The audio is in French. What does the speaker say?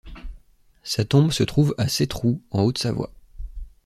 Sa tombe se trouve à Seytroux, en Haute-Savoie.